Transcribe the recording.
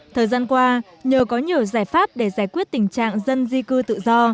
thời gian qua nhờ có nhiều giải pháp để giải quyết tình trạng dân di cư tự do